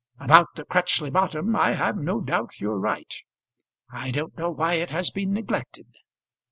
About that Crutchley bottom I have no doubt you're right. I don't know why it has been neglected."